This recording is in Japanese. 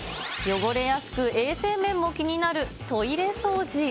汚れやすく衛生面も気になるトイレ掃除。